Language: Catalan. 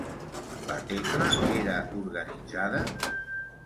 La Tecla era organitzada?